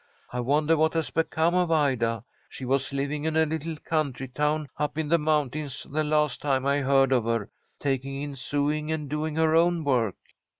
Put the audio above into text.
I wonder what has become of Ida. She was living in a little country town up in the mountains the last time I heard of her, taking in sewing and doing her own work."